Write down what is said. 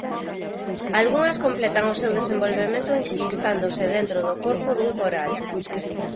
Algunhas completan o seu desenvolvemento enquistándose dentro dol corpo dun coral.